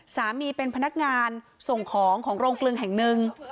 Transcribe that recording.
สามีเป็นพนักงานส่งของของโรงกลึงแห่งหนึ่ง